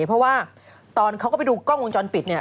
เพราะว่าตอนเขาก็ไปดูกล้องวงจรปิดเนี่ย